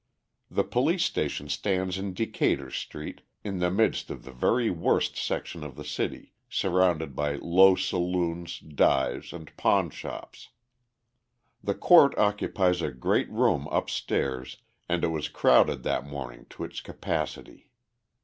The police station stands in Decatur Street, in the midst of the very worst section of the city, surrounded by low saloons, dives, and pawn shops. The court occupies a great room upstairs, and it was crowded that morning to its capacity.